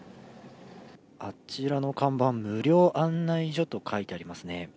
あちらの看板無料案内所と書いてありますね。